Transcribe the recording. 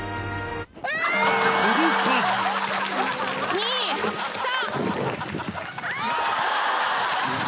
２・３！